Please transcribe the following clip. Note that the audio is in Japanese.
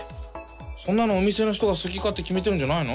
そんなのお店の人が好き勝手決めてるんじゃないの？